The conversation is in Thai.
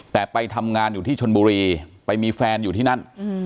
แต่ไปทำงานอยู่ที่ชนบุรีไปมีแฟนอยู่ที่นั่น